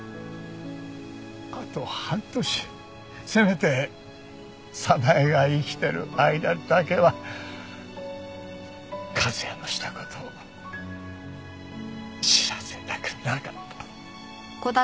あと半年せめて早苗が生きている間だけは和哉のした事を知らせたくなかった。